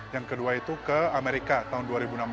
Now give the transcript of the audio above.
yang kedua itu ke amerika tahun dua ribu enam belas